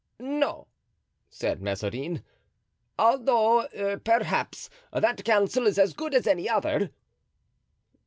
"No," said Mazarin; "although, perhaps, that counsel is as good as any other."